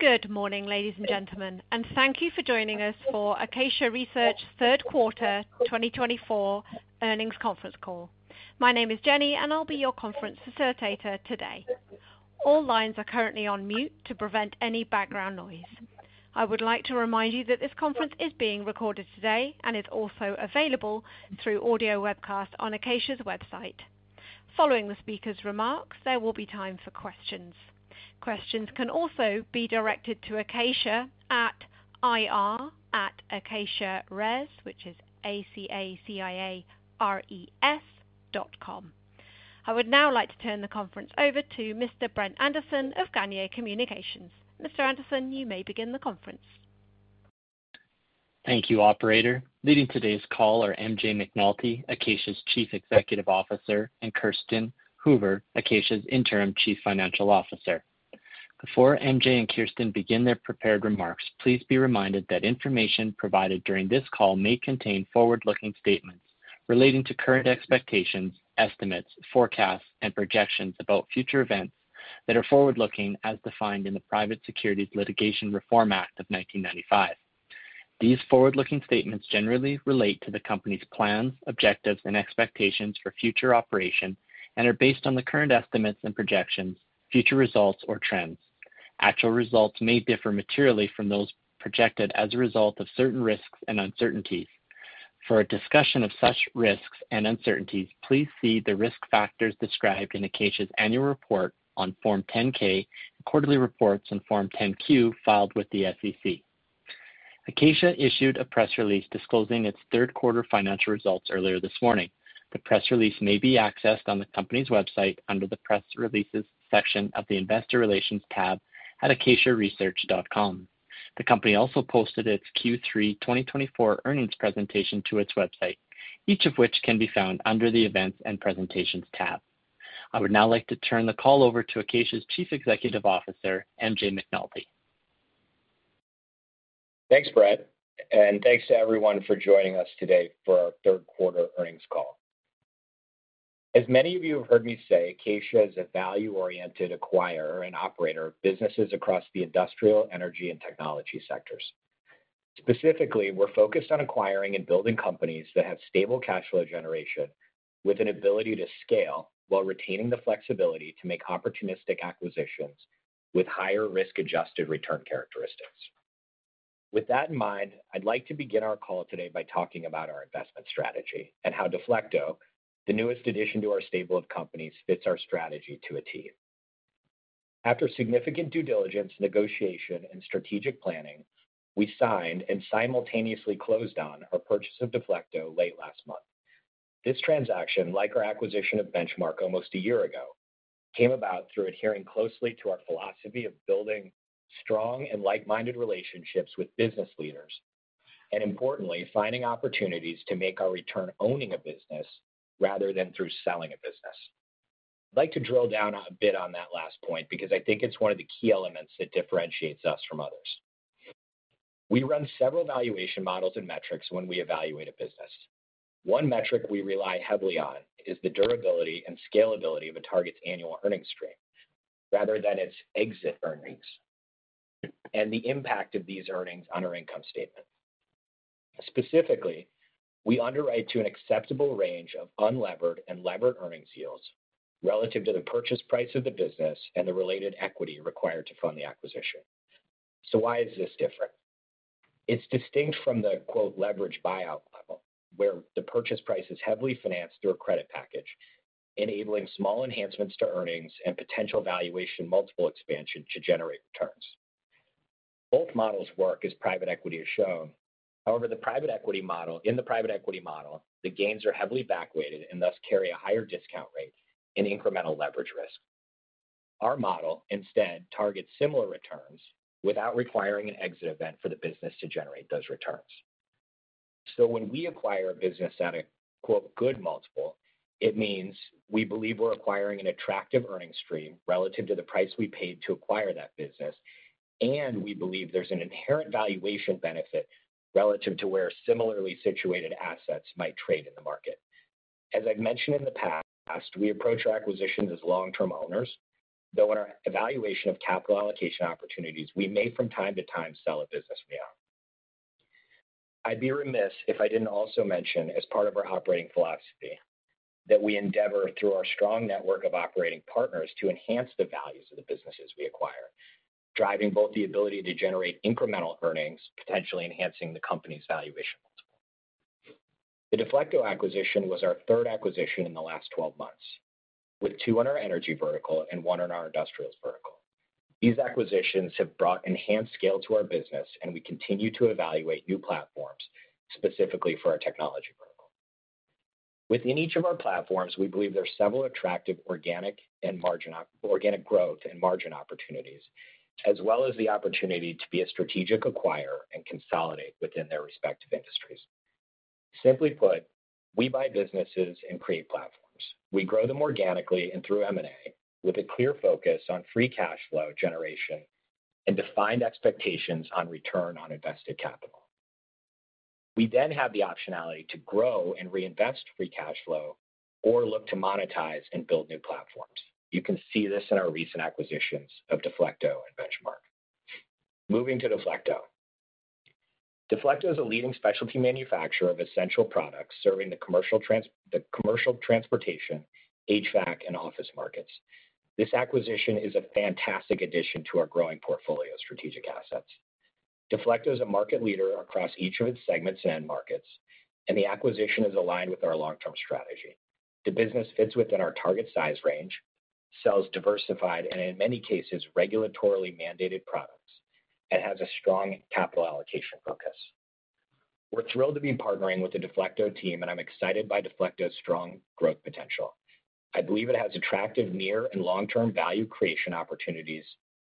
Good morning, ladies and gentlemen, and thank you for joining us for Acacia Research's third quarter 2024 earnings conference call. My name is Jenny, and I'll be your conference facilitator today. All lines are currently on mute to prevent any background noise. I would like to remind you that this conference is being recorded today and is also available through audio webcast on Acacia's website. Following the speaker's remarks, there will be time for questions. Questions can also be directed to acacia@ir.acaciares.com, which is A-C-A-C-I-A-R-E-S dot com. I would now like to turn the conference over to Mr. Brent Anderson of Gagnier Communications. Mr. Anderson, you may begin the conference. Thank you, Operator. Leading today's call are MJ McNulty, Acacia's Chief Executive Officer, and Kirsten Hoover, Acacia's Interim Chief Financial Officer. Before MJ and Kirsten begin their prepared remarks, please be reminded that information provided during this call may contain forward-looking statements relating to current expectations, estimates, forecasts, and projections about future events that are forward-looking, as defined in the Private Securities Litigation Reform Act of 1995. These forward-looking statements generally relate to the company's plans, objectives, and expectations for future operation and are based on the current estimates and projections, future results, or trends. Actual results may differ materially from those projected as a result of certain risks and uncertainties. For a discussion of such risks and uncertainties, please see the risk factors described in Acacia's annual report on Form 10-K and quarterly reports on Form 10-Q filed with the SEC. Acacia issued a press release disclosing its third quarter financial results earlier this morning. The press release may be accessed on the company's website under the press releases section of the Investor Relations tab at acaciaresearch.com. The company also posted its Q3 2024 earnings presentation to its website, each of which can be found under the Events and Presentations tab. I would now like to turn the call over to Acacia's Chief Executive Officer, MJ McNulty. Thanks, Brent, and thanks to everyone for joining us today for our third quarter earnings call. As many of you have heard me say, Acacia is a value-oriented acquirer and operator of businesses across the industrial, energy, and technology sectors. Specifically, we're focused on acquiring and building companies that have stable cash flow generation with an ability to scale while retaining the flexibility to make opportunistic acquisitions with higher risk-adjusted return characteristics. With that in mind, I'd like to begin our call today by talking about our investment strategy and how Deflecto the newest addition to our stable of companies, fits our strategy to a T. After significant due diligence, negotiation, and strategic planning, we signed and simultaneously closed on our purchase of Deflecto late last month. This transaction, like our acquisition of Benchmark almost a year ago, came about through adhering closely to our philosophy of building strong and like-minded relationships with business leaders and, importantly, finding opportunities to make our return owning a business rather than through selling a business. I'd like to drill down a bit on that last point because I think it's one of the key elements that differentiates us from others. We run several valuation models and metrics when we evaluate a business. One metric we rely heavily on is the durability and scalability of a target's annual earnings stream rather than its exit earnings and the impact of these earnings on our income statement. Specifically, we underwrite to an acceptable range of unlevered and levered earnings yields relative to the purchase price of the business and the related equity required to fund the acquisition. So why is this different? It's distinct from the "leveraged buyout" level, where the purchase price is heavily financed through a credit package, enabling small enhancements to earnings and potential valuation multiple expansion to generate returns. Both models work, as private equity has shown. However, in the private equity model, the gains are heavily back-weighted and thus carry a higher discount rate and incremental leverage risk. Our model, instead, targets similar returns without requiring an exit event for the business to generate those returns. So when we acquire a business at a "good multiple," it means we believe we're acquiring an attractive earnings stream relative to the price we paid to acquire that business, and we believe there's an inherent valuation benefit relative to where similarly situated assets might trade in the market. As I've mentioned in the past, we approach our acquisitions as long-term owners, though in our evaluation of capital allocation opportunities, we may, from time to time, sell a business we own. I'd be remiss if I didn't also mention, as part of our operating philosophy, that we endeavor, through our strong network of operating partners, to enhance the values of the businesses we acquire, driving both the ability to generate incremental earnings, potentially enhancing the company's valuation multiple. The Deflecto acquisition was our third acquisition in the last 12 months, with two on our energy vertical and one on our industrials vertical. These acquisitions have brought enhanced scale to our business, and we continue to evaluate new platforms specifically for our technology vertical. Within each of our platforms, we believe there are several attractive organic growth and margin opportunities, as well as the opportunity to be a strategic acquirer and consolidate within their respective industries. Simply put, we buy businesses and create platforms. We grow them organically and through M&A with a clear focus on free cash flow generation and defined expectations on return on invested capital. We then have the optionality to grow and reinvest free cash flow or look to monetize and build new platforms. You can see this in our recent acquisitions of Deflecto and Benchmark. Moving to Deflecto. Deflecto is a leading specialty manufacturer of essential products serving the commercial transportation, HVAC, and office markets. This acquisition is a fantastic addition to our growing portfolio of strategic assets. Deflecto is a market leader across each of its segments and markets, and the acquisition is aligned with our long-term strategy. The business fits within our target size range, sells diversified and, in many cases, regulatorily mandated products, and has a strong capital allocation focus. We're thrilled to be partnering with the Deflecto team, and I'm excited by Deflecto's strong growth potential. I believe it has attractive near and long-term value creation opportunities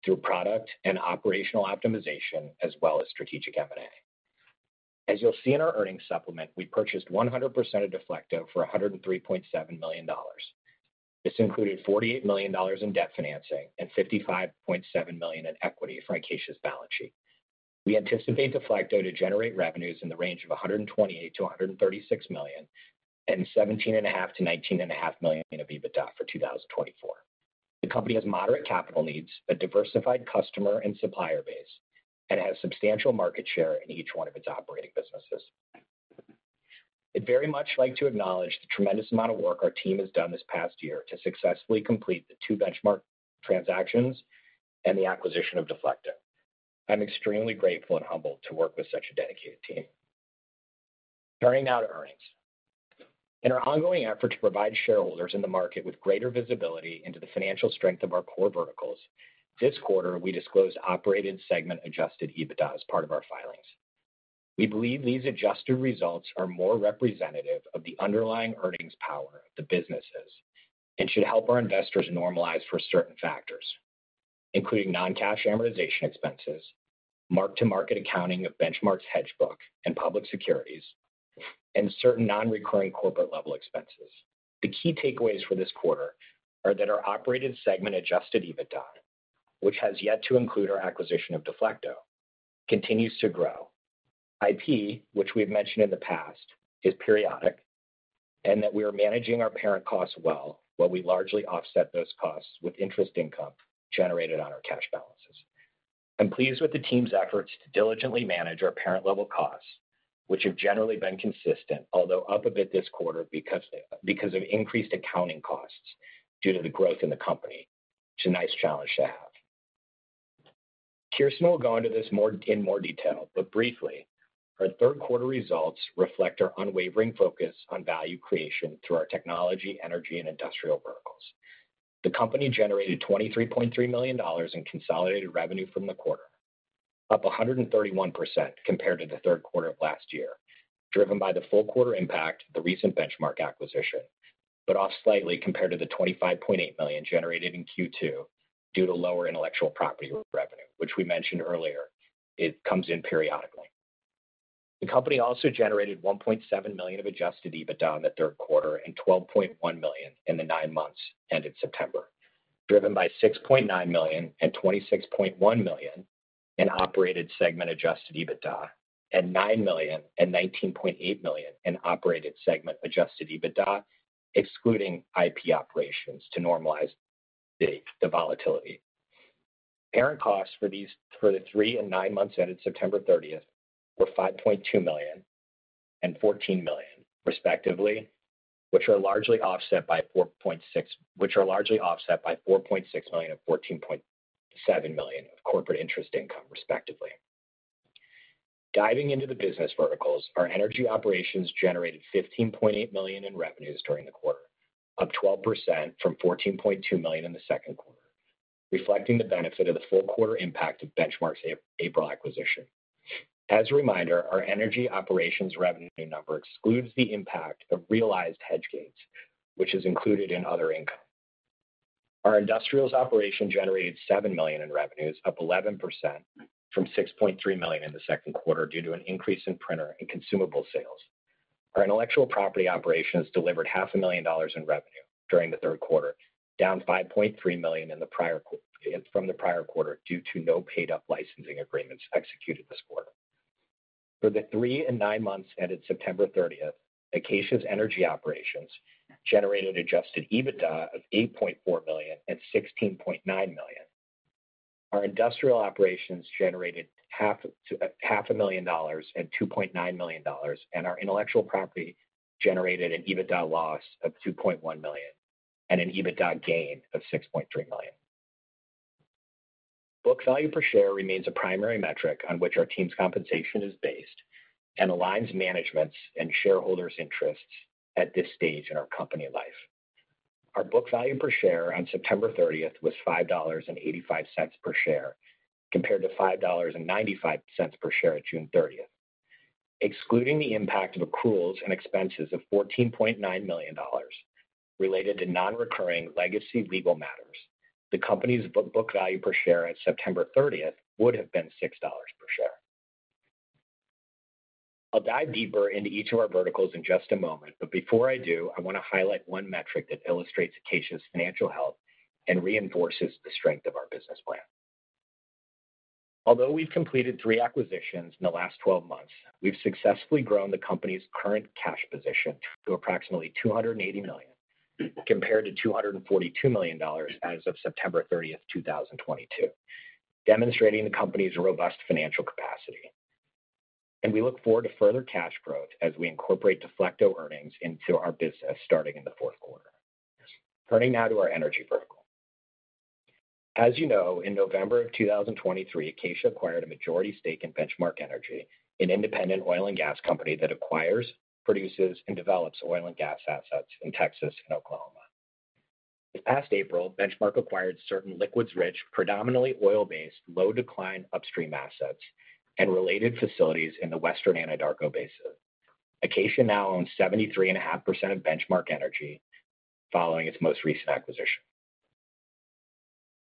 through product and operational optimization, as well as strategic M&A. As you'll see in our earnings supplement, we purchased 100% of Deflecto for $103.7 million. This included $48 million in debt financing and $55.7 million in equity for Acacia's balance sheet. We anticipate Deflecto to generate revenues in the range of $128-$136 million and $17.5-$19.5 million of EBITDA for 2024. The company has moderate capital needs, a diversified customer and supplier base, and has substantial market share in each one of its operating businesses. I'd very much like to acknowledge the tremendous amount of work our team has done this past year to successfully complete the two Benchmark transactions and the acquisition of Deflecto. I'm extremely grateful and humbled to work with such a dedicated team. Turning now to earnings. In our ongoing effort to provide shareholders in the market with greater visibility into the financial strength of our core verticals, this quarter, we disclosed operated segment-adjusted EBITDA as part of our filings. We believe these adjusted results are more representative of the underlying earnings power of the businesses and should help our investors normalize for certain factors, including non-cash amortization expenses, mark-to-market accounting of Benchmark's hedge book and public securities, and certain non-recurring corporate-level expenses. The key takeaways for this quarter are that our operated segment-adjusted EBITDA, which has yet to include our acquisition of Deflecto, continues to grow. IP, which we have mentioned in the past, is periodic and that we are managing our parent costs well, while we largely offset those costs with interest income generated on our cash balances. I'm pleased with the team's efforts to diligently manage our parent-level costs, which have generally been consistent, although up a bit this quarter because of increased accounting costs due to the growth in the company, which is a nice challenge to have. Kirsten will go into this in more detail, but briefly, our third quarter results reflect our unwavering focus on value creation through our technology, energy, and industrial verticals. The company generated $23.3 million in consolidated revenue from the quarter, up 131% compared to the third quarter of last year, driven by the full quarter impact of the recent Benchmark acquisition, but off slightly compared to the $25.8 million generated in Q2 due to lower intellectual property revenue, which we mentioned earlier comes in periodically. The company also generated $1.7 million of adjusted EBITDA in the third quarter and $12.1 million in the nine months ended September, driven by $6.9 million and $26.1 million in operated segment-adjusted EBITDA and $9 million and $19.8 million in operated segment-adjusted EBITDA, excluding IP operations, to normalize the volatility. Parent costs for the three and nine months ended September 30 were $5.2 million and $14 million, which are largely offset by $4.6 million of corporate interest income, respectively. Diving into the business verticals, our energy operations generated $15.8 million in revenues during the quarter, up 12% from $14.2 million in the second quarter, reflecting the benefit of the full quarter impact of Benchmark's April acquisition. As a reminder, our energy operations revenue number excludes the impact of realized hedge gains, which is included in other income. Our industrials operation generated $7 million in revenues, up 11% from $6.3 million in the second quarter due to an increase in printer and consumable sales. Our intellectual property operations delivered $500,000 in revenue during the third quarter, down $5.3 million from the prior quarter due to no paid-up licensing agreements executed this quarter. For the three and nine months ended September 30, Acacia's energy operations generated Adjusted EBITDA of $8.4 million and $16.9 million. Our industrial operations generated $500,000 and $2.9 million, and our intellectual property generated an EBITDA loss of $2.1 million and an EBITDA gain of $6.3 million. Book value per share remains a primary metric on which our team's compensation is based and aligns management's and shareholders' interests at this stage in our company life. Our book value per share on September 30 was $5.85 per share compared to $5.95 per share at June 30. Excluding the impact of accruals and expenses of $14.9 million related to non-recurring legacy legal matters, the company's book value per share at September 30 would have been $6 per share. I'll dive deeper into each of our verticals in just a moment, but before I do, I want to highlight one metric that illustrates Acacia's financial health and reinforces the strength of our business plan. Although we've completed three acquisitions in the last 12 months, we've successfully grown the company's current cash position to approximately $280 million compared to $242 million as of September 30, 2022, demonstrating the company's robust financial capacity. And we look forward to further cash growth as we incorporate Deflecto earnings into our business starting in the fourth quarter. Turning now to our energy vertical. As you know, in November of 2023, Acacia acquired a majority stake in Benchmark Energy, an independent oil and gas company that acquires, produces, and develops oil and gas assets in Texas and Oklahoma. This past April, Benchmark acquired certain liquids-rich, predominantly oil-based, low-decline upstream assets and related facilities in the western Anadarko Basin. Acacia now owns 73.5% of Benchmark Energy following its most recent acquisition.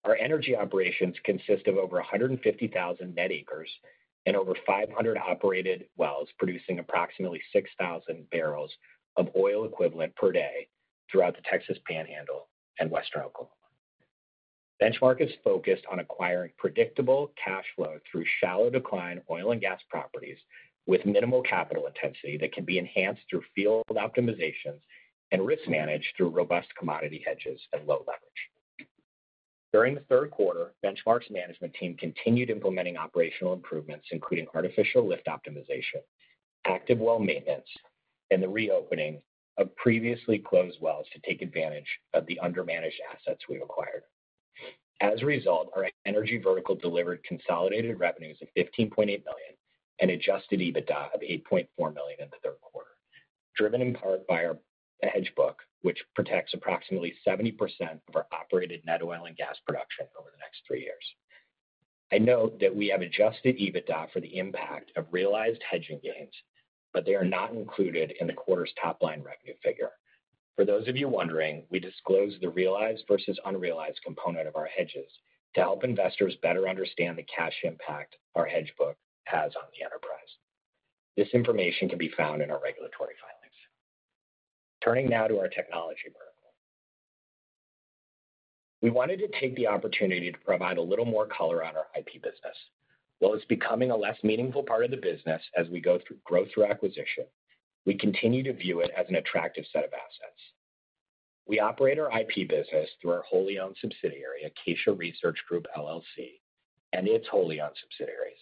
Our energy operations consist of over 150,000 net acres and over 500 operated wells producing approximately 6,000 barrels of oil equivalent per day throughout the Texas Panhandle and Western Oklahoma. Benchmark is focused on acquiring predictable cash flow through shallow-decline oil and gas properties with minimal capital intensity that can be enhanced through field optimizations and risk managed through robust commodity hedges and low leverage. During the third quarter, Benchmark's management team continued implementing operational improvements, including artificial lift optimization, active well maintenance, and the reopening of previously closed wells to take advantage of the undermanaged assets we've acquired. As a result, our energy vertical delivered consolidated revenues of $15.8 million and adjusted EBITDA of $8.4 million in the third quarter, driven in part by our hedge book, which protects approximately 70% of our operated net oil and gas production over the next three years. I note that we have adjusted EBITDA for the impact of realized hedging gains, but they are not included in the quarter's top-line revenue figure. For those of you wondering, we disclose the realized versus unrealized component of our hedges to help investors better understand the cash impact our hedge book has on the enterprise. This information can be found in our regulatory filings. Turning now to our technology vertical. We wanted to take the opportunity to provide a little more color on our IP business. While it's becoming a less meaningful part of the business as we go through growth through acquisition, we continue to view it as an attractive set of assets. We operate our IP business through our wholly owned subsidiary, Acacia Research Group LLC, and its wholly owned subsidiaries.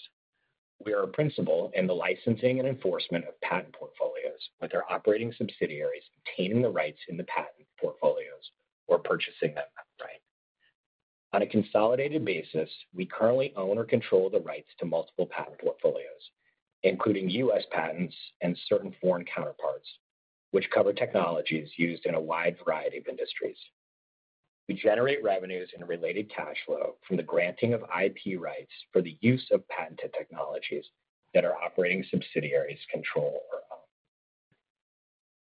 We are a principal in the licensing and enforcement of patent portfolios, with our operating subsidiaries obtaining the rights in the patent portfolios or purchasing them outright. On a consolidated basis, we currently own or control the rights to multiple patent portfolios, including U.S. patents and certain foreign counterparts, which cover technologies used in a wide variety of industries. We generate revenues and related cash flow from the granting of IP rights for the use of patented technologies that our operating subsidiaries control or own.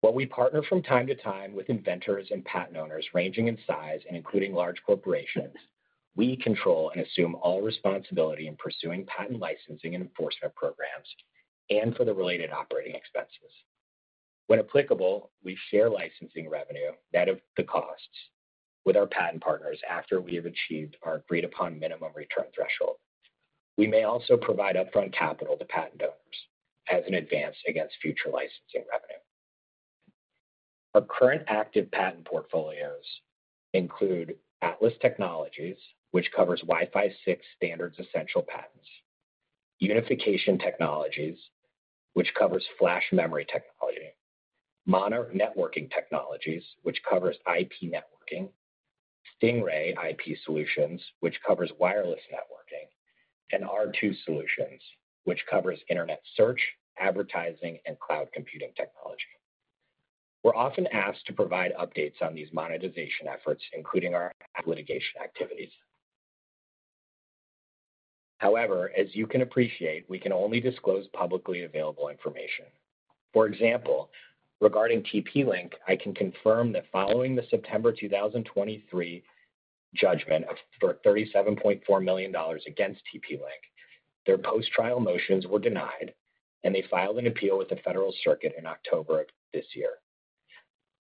While we partner from time to time with inventors and patent owners ranging in size and including large corporations, we control and assume all responsibility in pursuing patent licensing and enforcement programs and for the related operating expenses. When applicable, we share licensing revenue net of the costs with our patent partners after we have achieved our agreed-upon minimum return threshold. We may also provide upfront capital to patent owners as an advance against future licensing revenue. Our current active patent portfolios include Atlas Technologies, which covers Wi-Fi 6 standards essential patents, Unification Technologies, which covers flash memory technology, Monarch Networking Technologies, which covers IP networking, Stingray IP Solutions, which covers wireless networking, and R2 Solutions, which covers internet search, advertising, and cloud computing technology. We're often asked to provide updates on these monetization efforts, including our litigation activities. However, as you can appreciate, we can only disclose publicly available information. For example, regarding TP-Link, I can confirm that following the September 2023 judgment for $37.4 million against TP-Link, their post-trial motions were denied, and they filed an appeal with the Federal Circuit in October of this year.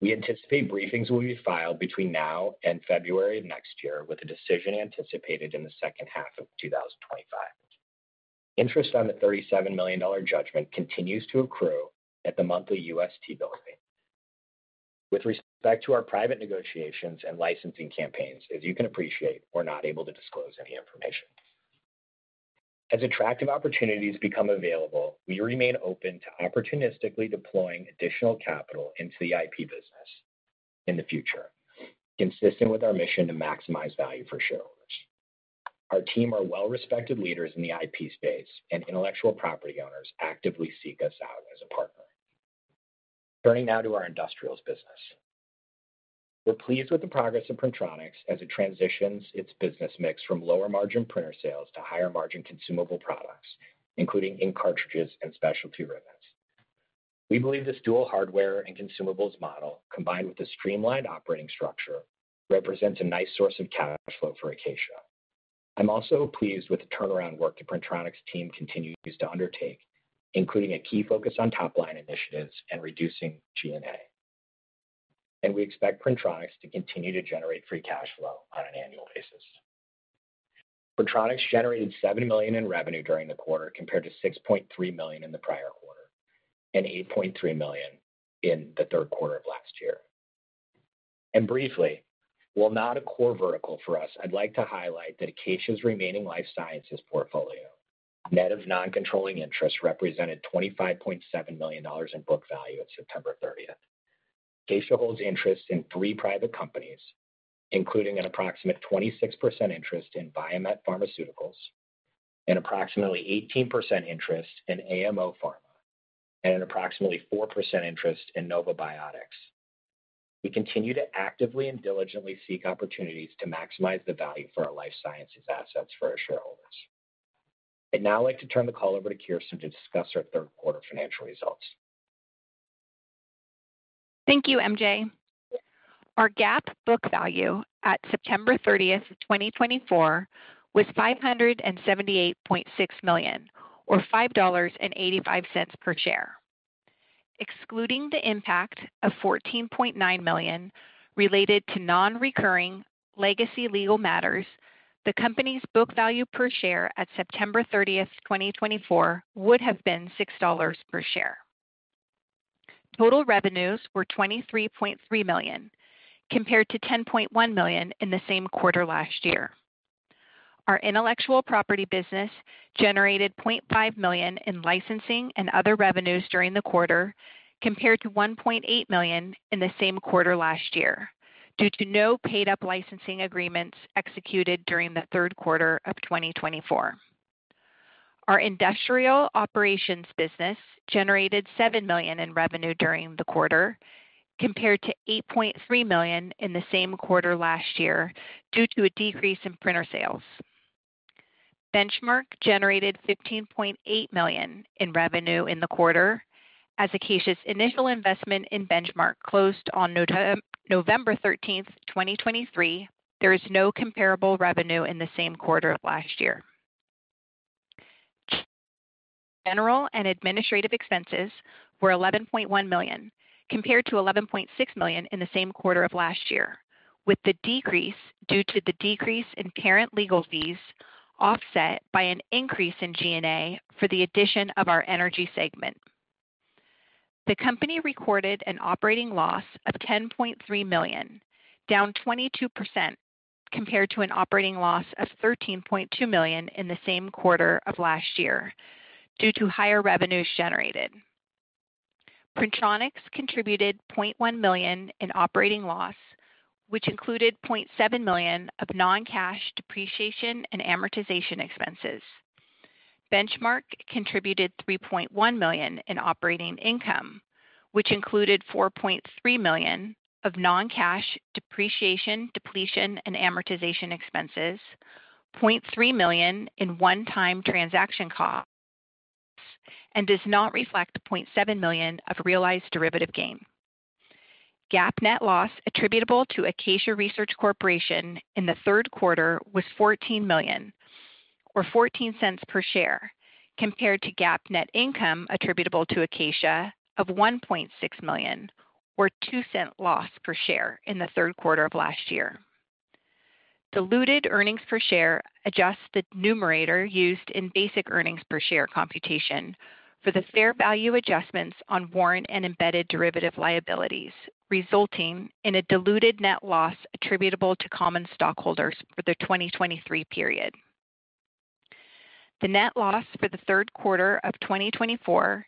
We anticipate briefings will be filed between now and February of next year, with a decision anticipated in the second half of 2025. Interest on the $37 million judgment continues to accrue at the monthly U.S. Treasury bill rate. With respect to our private negotiations and licensing campaigns, as you can appreciate, we're not able to disclose any information. As attractive opportunities become available, we remain open to opportunistically deploying additional capital into the IP business in the future, consistent with our mission to maximize value for shareholders. Our team are well-respected leaders in the IP space, and intellectual property owners actively seek us out as a partner. Turning now to our industrials business. We're pleased with the progress of Printronix as it transitions its business mix from lower-margin printer sales to higher-margin consumable products, including ink cartridges and specialty ribbons. We believe this dual hardware and consumables model, combined with a streamlined operating structure, represents a nice source of cash flow for Acacia. I'm also pleased with the turnaround work the Printronix team continues to undertake, including a key focus on top-line initiatives and reducing G&A. And we expect Printronix to continue to generate free cash flow on an annual basis. Printronix generated $7 million in revenue during the quarter compared to $6.3 million in the prior quarter and $8.3 million in the third quarter of last year. And briefly, while not a core vertical for us, I'd like to highlight that Acacia's remaining life sciences portfolio, net of non-controlling interest, represented $25.7 million in book value at September 30. Acacia holds interests in three private companies, including an approximate 26% interest in Viamet Pharmaceuticals, an approximately 18% interest in AMO Pharma, and an approximately 4% interest in NovaBiotics. We continue to actively and diligently seek opportunities to maximize the value for our life sciences assets for our shareholders. I'd now like to turn the call over to Kirsten to discuss our third quarter financial results. Thank you, MJ. Our GAAP book value at September 30, 2024, was $578.6 million, or $5.85 per share. Excluding the impact of $14.9 million related to non-recurring legacy legal matters, the company's book value per share at September 30, 2024, would have been $6 per share. Total revenues were $23.3 million, compared to $10.1 million in the same quarter last year. Our intellectual property business generated $0.5 million in licensing and other revenues during the quarter, compared to $1.8 million in the same quarter last year, due to no paid-up licensing agreements executed during the third quarter of 2024. Our industrial operations business generated $7 million in revenue during the quarter, compared to $8.3 million in the same quarter last year, due to a decrease in printer sales. Benchmark generated $15.8 million in revenue in the quarter, as Acacia's initial investment in Benchmark closed on November 13, 2023. There is no comparable revenue in the same quarter of last year. General and administrative expenses were $11.1 million, compared to $11.6 million in the same quarter of last year, with the decrease due to the decrease in parent legal fees offset by an increase in G&A for the addition of our energy segment. The company recorded an operating loss of $10.3 million, down 22% compared to an operating loss of $13.2 million in the same quarter of last year, due to higher revenues generated. Printronix contributed $0.1 million in operating loss, which included $0.7 million of non-cash depreciation and amortization expenses. Benchmark contributed $3.1 million in operating income, which included $4.3 million of non-cash depreciation, depletion, and amortization expenses, $0.3 million in one-time transaction costs, and does not reflect $0.7 million of realized derivative gain. GAAP net loss attributable to Acacia Research Corporation in the third quarter was $14.00 million, or $0.14 per share, compared to GAAP net income attributable to Acacia of $1.6 million, or $0.02 loss per share in the third quarter of last year. Diluted earnings per share adjusts the numerator used in basic earnings per share computation for the fair value adjustments on warrant and embedded derivative liabilities, resulting in a diluted net loss attributable to common stockholders for the 2023 period. The net loss for the third quarter of 2024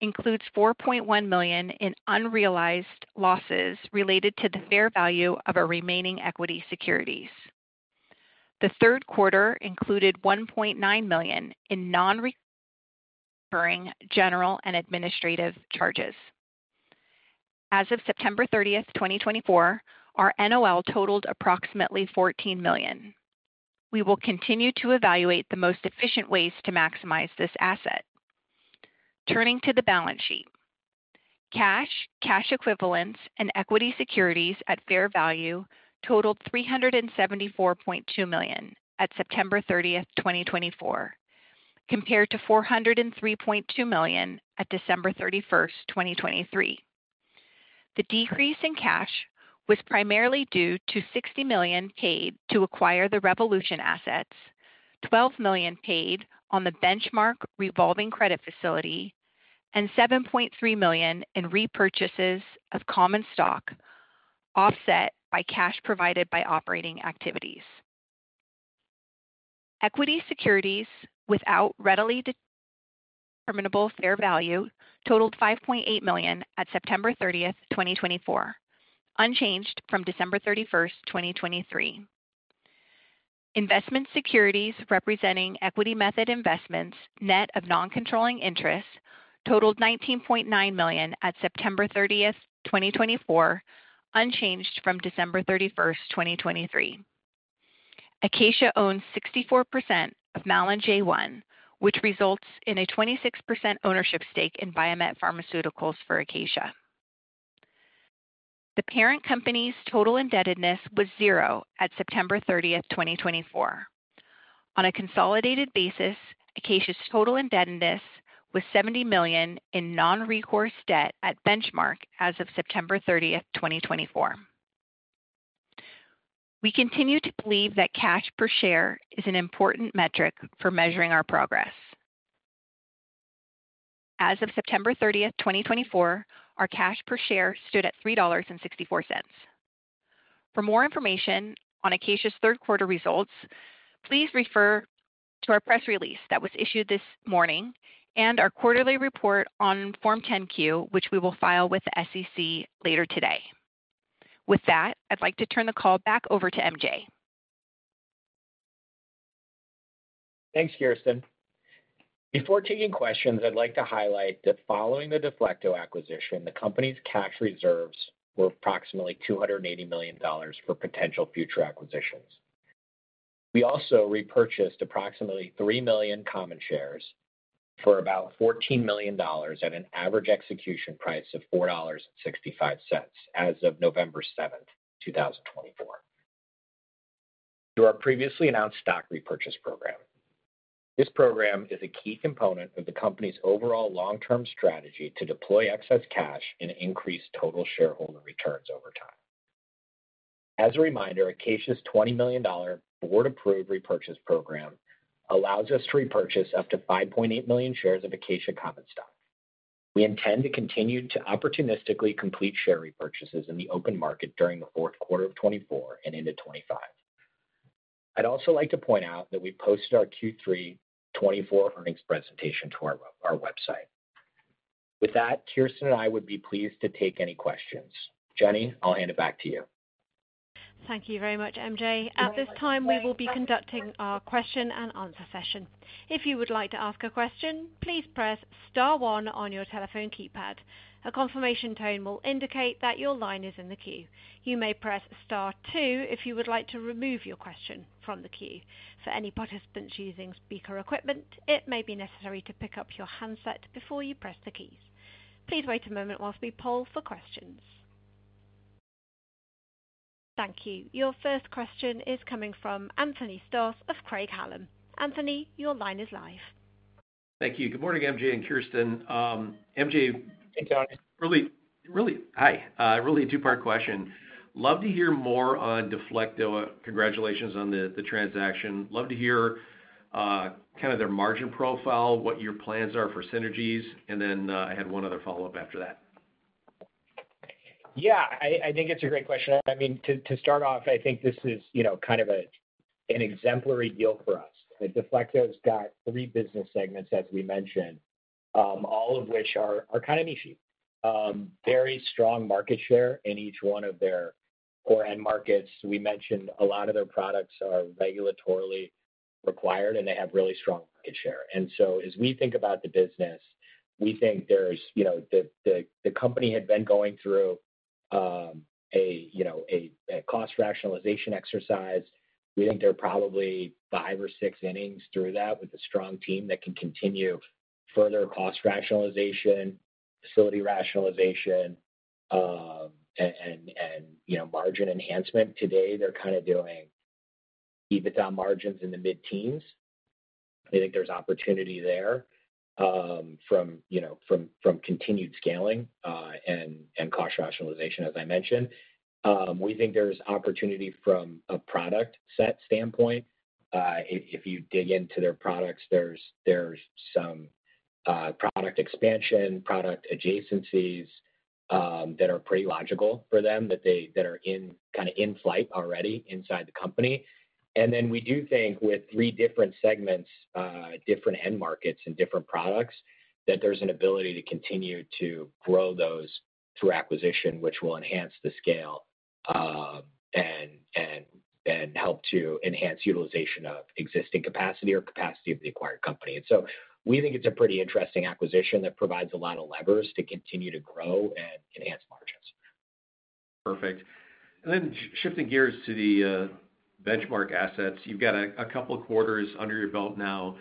includes $4.1 million in unrealized losses related to the fair value of our remaining equity securities. The third quarter included $1.9 million in non-recurring general and administrative charges. As of September 30, 2024, our NOL totaled approximately $14 million. We will continue to evaluate the most efficient ways to maximize this asset. Turning to the balance sheet, cash, cash equivalents, and equity securities at fair value totaled $374.2 million at September 30, 2024, compared to $403.2 million at December 31, 2023. The decrease in cash was primarily due to $60 million paid to acquire the Revolution assets, $12 million paid on the Benchmark revolving credit facility, and $7.3 million in repurchases of common stock offset by cash provided by operating activities. Equity securities without readily determinable fair value totaled $5.8 million at September 30, 2024, unchanged from December 31, 2023. Investment securities representing equity method investments net of non-controlling interest totaled $19.9 million at September 30, 2024, unchanged from December 31, 2023. Acacia owns 64% of Malin J1, which results in a 26% ownership stake in Viamet Pharmaceuticals for Acacia. The parent company's total indebtedness was zero at September 30, 2024. On a consolidated basis, Acacia's total indebtedness was $70 million in non-recourse debt at Benchmark as of September 30, 2024. We continue to believe that cash per share is an important metric for measuring our progress. As of September 30, 2024, our cash per share stood at $3.64. For more information on Acacia's third quarter results, please refer to our press release that was issued this morning and our quarterly report on Form 10-Q, which we will file with the SEC later today. With that, I'd like to turn the call back over to MJ. Thanks, Kirsten. Before taking questions, I'd like to highlight that following the Deflecto acquisition, the company's cash reserves were approximately $280 million for potential future acquisitions. We also repurchased approximately $3 million common shares for about $14 million at an average execution price of $4.65 as of November 7, 2024, through our previously announced stock repurchase program. This program is a key component of the company's overall long-term strategy to deploy excess cash and increase total shareholder returns over time. As a reminder, Acacia's $20 million board-approved repurchase program allows us to repurchase up to 5.8 million shares of Acacia common stock. We intend to continue to opportunistically complete share repurchases in the open market during the fourth quarter of 2024 and into 2025. I'd also like to point out that we posted our Q3 2024 earnings presentation to our website. With that, Kirsten and I would be pleased to take any questions. Jenny, I'll hand it back to you. Thank you very much, MJ. At this time, we will be conducting our question and answer session. If you would like to ask a question, please press Star 1 on your telephone keypad. A confirmation tone will indicate that your line is in the queue. You may press Star 2 if you would like to remove your question from the queue. For any participants using speaker equipment, it may be necessary to pick up your handset before you press the keys. Please wait a moment while we poll for questions. Thank you. Your first question is coming from Anthony Stoss of Craig-Hallum. Anthony, your line is live. Thank you. Good morning, MJ and Kirsten. MJ, really, really hi. Really a two-part question. Love to hear more on Deflecto. Congratulations on the transaction. Love to hear kind of their margin profile, what your plans are for synergies, and then I had one other follow-up after that. Yeah, I think it's a great question. I mean, to start off, I think this is kind of an exemplary deal for us. Deflecto has got three business segments, as we mentioned, all of which are kind of nichey. Very strong market share in each one of their core end markets. We mentioned a lot of their products are regulatorily required, and they have really strong market share. And so, as we think about the business, we think there's the company had been going through a cost rationalization exercise. We think they're probably five or six innings through that with a strong team that can continue further cost rationalization, facility rationalization, and margin enhancement. Today, they're kind of doing EBITDA margins in the mid-teens. I think there's opportunity there from continued scaling and cost rationalization, as I mentioned. We think there's opportunity from a product set standpoint. If you dig into their products, there's some product expansion, product adjacencies that are pretty logical for them that are kind of in flight already inside the company. And then we do think with three different segments, different end markets, and different products, that there's an ability to continue to grow those through acquisition, which will enhance the scale and help to enhance utilization of existing capacity or capacity of the acquired company. And so we think it's a pretty interesting acquisition that provides a lot of levers to continue to grow and enhance margins. Perfect. And then shifting gears to the Benchmark assets, you've got a couple of quarters under your belt now.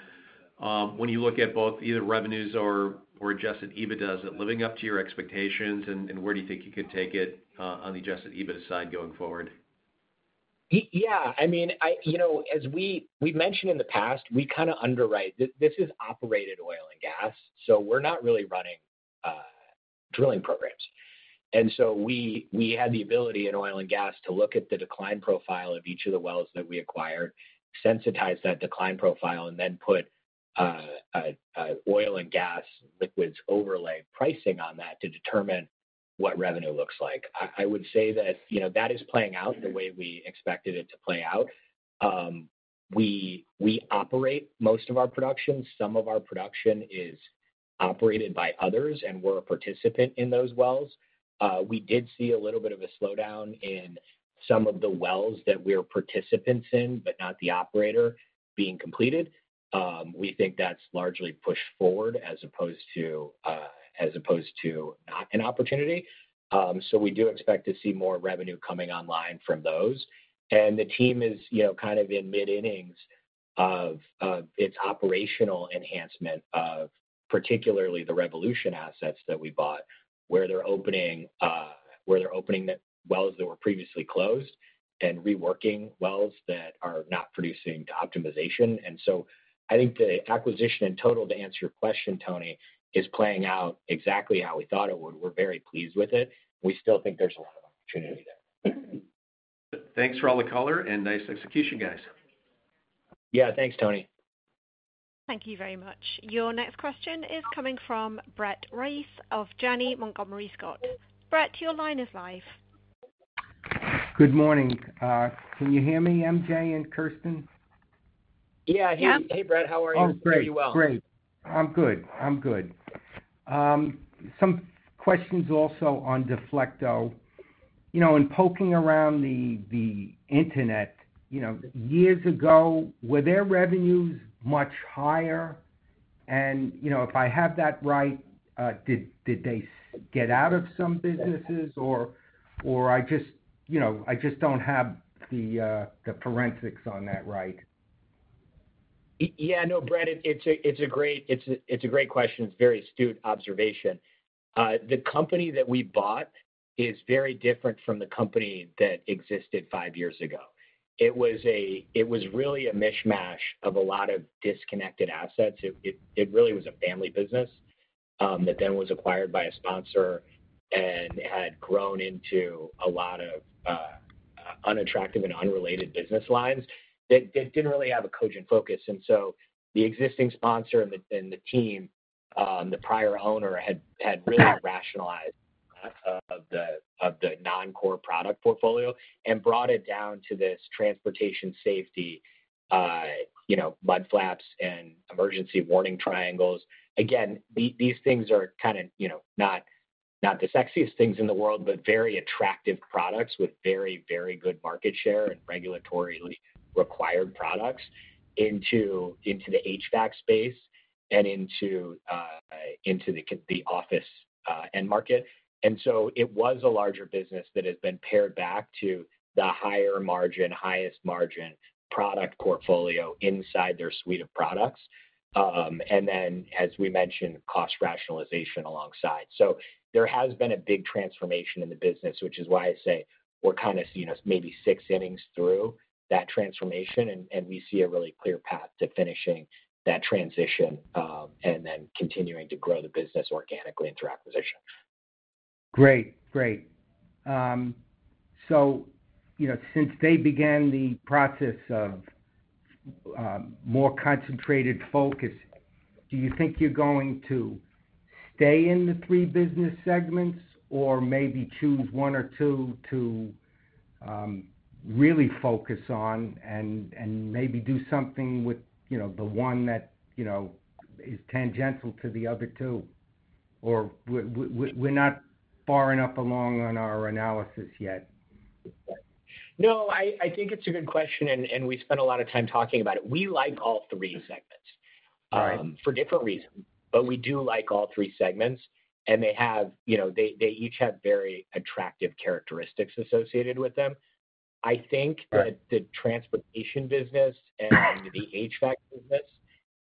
When you look at both either revenues or adjusted EBITDA, is it living up to your expectations, and where do you think you could take it on the adjusted EBITDA side going forward? Yeah. I mean, as we've mentioned in the past, we kind of underwrite. This is operated oil and gas, so we're not really running drilling programs. And so we had the ability in oil and gas to look at the decline profile of each of the wells that we acquired, sensitize that decline profile, and then put oil and gas liquids overlay pricing on that to determine what revenue looks like. I would say that that is playing out the way we expected it to play out. We operate most of our production. Some of our production is operated by others, and we're a participant in those wells. We did see a little bit of a slowdown in some of the wells that we're participants in, but not the operator being completed. We think that's largely pushed forward as opposed to not an opportunity. So we do expect to see more revenue coming online from those. And the team is kind of in the midst of initial operational enhancement of particularly the Revolution assets that we bought, where they're opening wells that were previously closed and reworking wells that are not producing optimization. And so I think the acquisition in total, to answer your question, Tony, is playing out exactly how we thought it would. We're very pleased with it. We still think there's a lot of opportunity there. Thanks for all the color and nice execution, guys. Yeah, thanks, Tony. Thank you very much. Your next question is coming from Brett Reiss of Janney Montgomery Scott. Brett, your line is live. Good morning. Can you hear me, MJ and Kirsten? Yeah. Hey, Brett, how are you? I'm great. Great. I'm good. I'm good. Some questions also on Deflecto. In poking around the internet years ago, were their revenues much higher? And if I have that right, did they get out of some businesses, or I just don't have the forensics on that right? Yeah. No, Brett, it's a great question. It's a very astute observation. The company that we bought is very different from the company that existed five years ago. It was really a mishmash of a lot of disconnected assets. It really was a family business that then was acquired by a sponsor and had grown into a lot of unattractive and unrelated business lines that didn't really have a cogent focus. And so the existing sponsor and the team, the prior owner, had really rationalized the non-core product portfolio and brought it down to this transportation safety, mud flaps, and emergency warning triangles. Again, these things are kind of not the sexiest things in the world, but very attractive products with very, very good market share and regulatory required products into the HVAC space and into the office end market. And so it was a larger business that has been pared back to the higher margin, highest margin product portfolio inside their suite of products. And then, as we mentioned, cost rationalization alongside. So there has been a big transformation in the business, which is why I say we're kind of maybe six innings through that transformation, and we see a really clear path to finishing that transition and then continuing to grow the business organically through acquisition. Great. Great. So since they began the process of more concentrated focus, do you think you're going to stay in the three business segments or maybe choose one or two to really focus on and maybe do something with the one that is tangential to the other two, or we're not far enough along on our analysis yet? No, I think it's a good question, and we spent a lot of time talking about it. We like all three segments for different reasons, but we do like all three segments, and they each have very attractive characteristics associated with them. I think that the transportation business and the HVAC business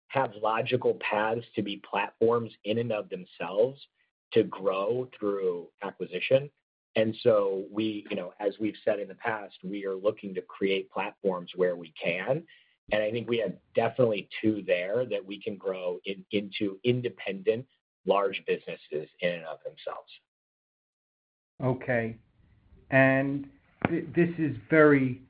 have logical paths to be platforms in and of themselves to grow through acquisition, and so, as we've said in the past, we are looking to create platforms where we can. I think we have definitely two there that we can grow into independent large businesses in and of themselves. Okay. This is very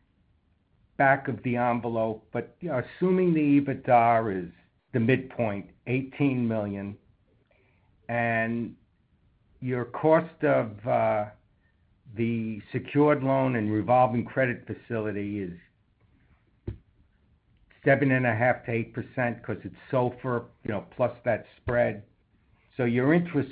back of the envelope, but assuming the EBITDA is the midpoint, $18 million, and your cost of the secured loan and revolving credit facility is 7.5%-8% because it's SOFR plus that spread. The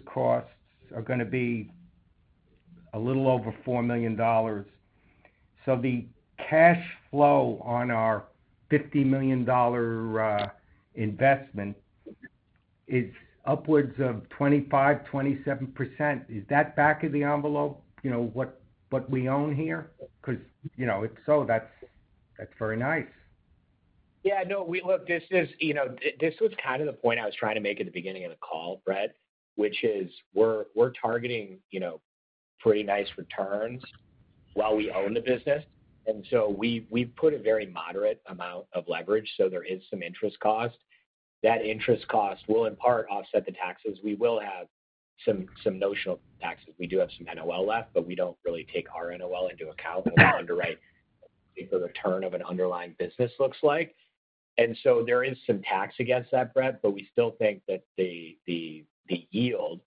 cash flow on our $50 million investment is upwards of 25%-27%. Is that back of the envelope what we own here? Because if so, that's very nice. Yeah. No, look, this was kind of the point I was trying to make at the beginning of the call, Brett, which is we're targeting pretty nice returns while we own the business. And so we've put a very moderate amount of leverage, so there is some interest cost. That interest cost will, in part, offset the taxes. We will have some notional taxes. We do have some NOL left, but we don't really take our NOL into account of the underwrite of the return of an underlying business looks like. And so there is some tax against that, Brett, but we still think that the yield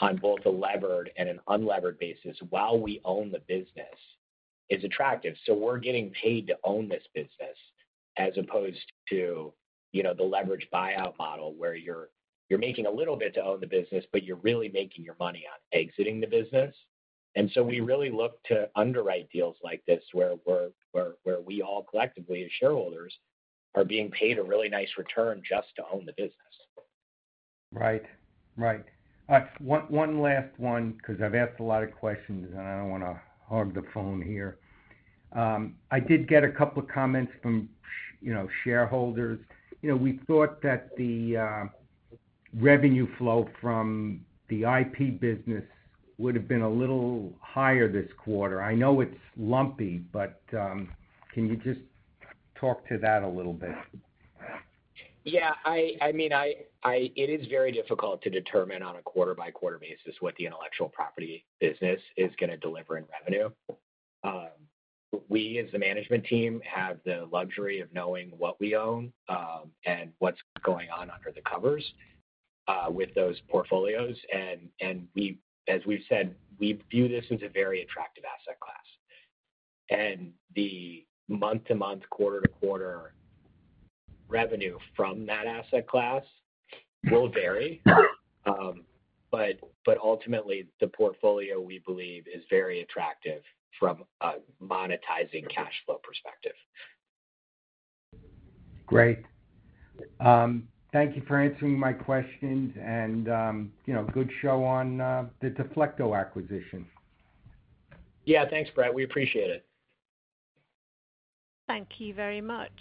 on both a levered and an unlevered basis while we own the business is attractive. So we're getting paid to own this business as opposed to the leverage buyout model where you're making a little bit to own the business, but you're really making your money on exiting the business. We really look to underwrite deals like this where we all collectively as shareholders are being paid a really nice return just to own the business. Right. Right. One last one because I've asked a lot of questions, and I don't want to hog the phone here. I did get a couple of comments from shareholders. We thought that the revenue flow from the IP business would have been a little higher this quarter. I know it's lumpy, but can you just talk to that a little bit? Yeah. I mean, it is very difficult to determine on a quarter-by-quarter basis what the intellectual property business is going to deliver in revenue. We, as the management team, have the luxury of knowing what we own and what's going on under the covers with those portfolios. And as we've said, we view this as a very attractive asset class. And the month-to-month, quarter-to-quarter revenue from that asset class will vary. But ultimately, the portfolio, we believe, is very attractive from a monetizing cash flow perspective. Great. Thank you for answering my questions and good show on the Deflecto acquisition. Yeah. Thanks, Brett. We appreciate it. Thank you very much.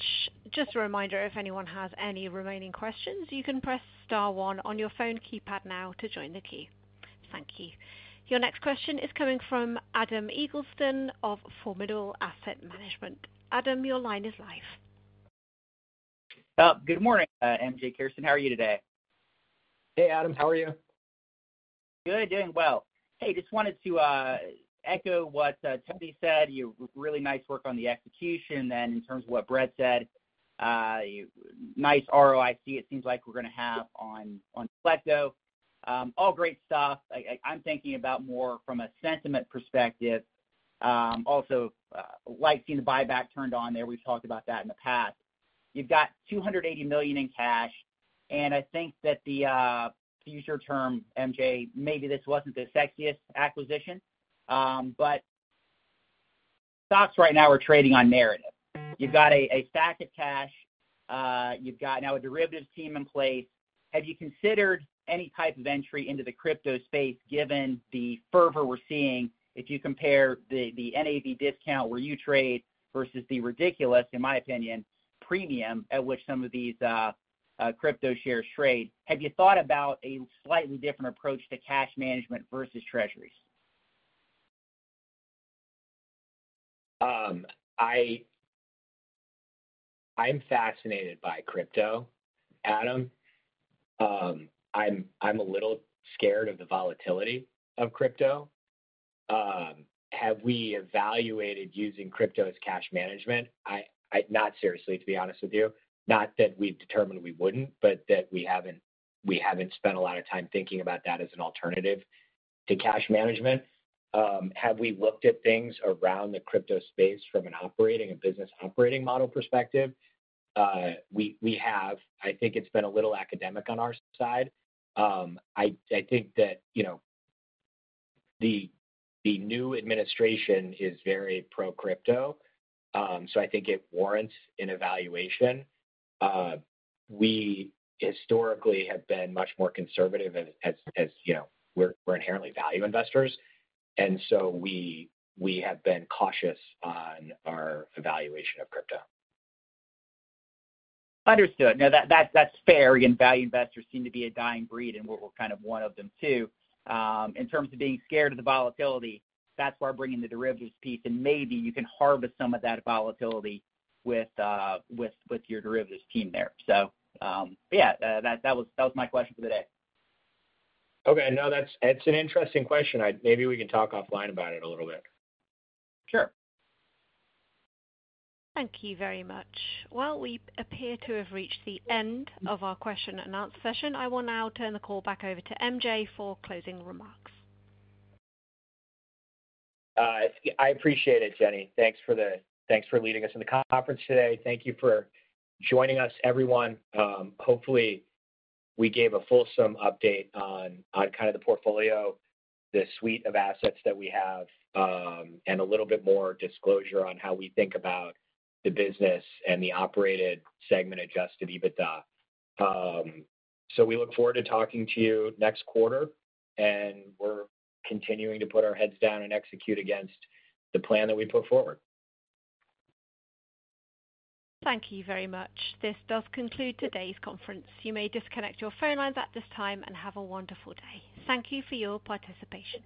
Just a reminder, if anyone has any remaining questions, you can press star one on your phone keypad now to join the queue. Thank you. Your next question is coming from Adam Eagleston of Formidable Asset Management. Adam, your line is live. Good morning, MJ, Kirsten. How are you today? Hey, Adam. How are you? Good. Doing well. Hey, just wanted to echo what Tony said. You did really nice work on the execution there in terms of what Brett said. Nice ROIC it seems like we're going to have on Deflecto. All great stuff. I'm thinking about more from a sentiment perspective. Also, like seeing the buyback turned on there. We've talked about that in the past. You've got $280 million in cash, and I think that the future term, MJ, maybe this wasn't the sexiest acquisition, but stocks right now are trading on narrative. You've got a stack of cash. You've got now a derivatives team in place. Have you considered any type of entry into the crypto space given the fervor we're seeing? If you compare the NAV discount where you trade versus the ridiculous, in my opinion, premium at which some of these crypto shares trade, have you thought about a slightly different approach to cash management versus treasuries? I'm fascinated by crypto, Adam. I'm a little scared of the volatility of crypto. Have we evaluated using crypto as cash management? Not seriously, to be honest with you. Not that we've determined we wouldn't, but that we haven't spent a lot of time thinking about that as an alternative to cash management. Have we looked at things around the crypto space from an operating and business operating model perspective? We have. I think it's been a little academic on our side. I think that the new administration is very pro-crypto, so I think it warrants an evaluation. We historically have been much more conservative as we're inherently value investors, and so we have been cautious on our evaluation of crypto. Understood. No, that's fair. Again, value investors seem to be a dying breed, and we're kind of one of them too. In terms of being scared of the volatility, that's where I bring in the derivatives piece, and maybe you can harvest some of that volatility with your derivatives team there. So yeah, that was my question for the day. Okay. No, that's an interesting question. Maybe we can talk offline about it a little bit. Sure. Thank you very much. Well, we appear to have reached the end of our question and answer session. I will now turn the call back over to MJ for closing remarks. I appreciate it, Jenny. Thanks for leading us in the conference today. Thank you for joining us, everyone. Hopefully, we gave a fulsome update on kind of the portfolio, the suite of assets that we have, and a little bit more disclosure on how we think about the business and the operated segment-adjusted EBITDA. So we look forward to talking to you next quarter, and we're continuing to put our heads down and execute against the plan that we put forward. Thank you very much. This does conclude today's conference. You may disconnect your phone lines at this time and have a wonderful day. Thank you for your participation.